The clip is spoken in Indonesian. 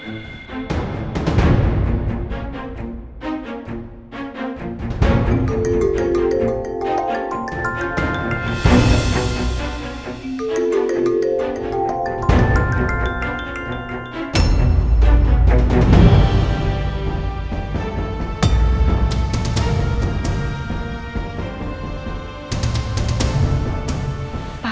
ada apa pak